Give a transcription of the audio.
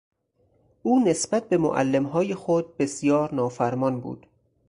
او نسبت به معلمهای خود بسیار نافرمان بود.